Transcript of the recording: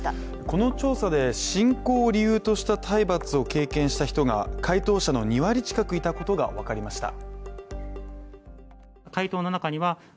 この調査で信仰を理由とした体罰を経験した人が回答者の２割近くいたことが分かりました。